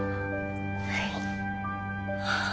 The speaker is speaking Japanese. はい。